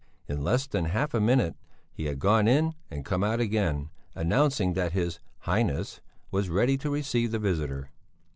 In less than half a minute he had gone in and come out again, announcing that his Highness was ready to receive the visitor.